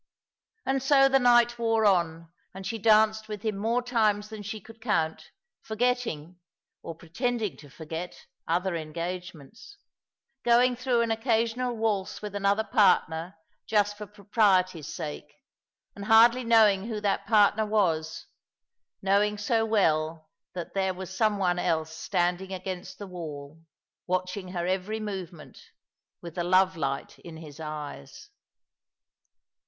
And so the night wore on, and she danced with him more times than she could count, forgetting, or pretending to forget, other engagements; going through an occasional waltz with another partner just for propriety's sake, and hardly knowing who that partner was; knowing bo well that there was some one else standing against the wall, watching her eyery movement, with the love light in hia eyes.